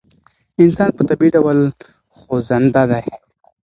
انسان په طبعي ډول خوځنده دی.